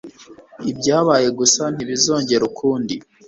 Ibyabaye gusa ntibizongera ukundi.